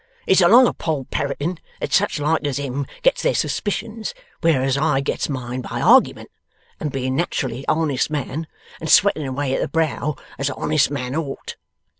It's along of Poll Parroting that such like as him gets their suspicions, whereas I gets mine by argueyment, and being nat'rally a honest man, and sweating away at the brow as a honest man ought.